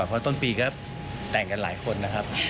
เพราะต้นปีก็แต่งกันหลายคนนะครับ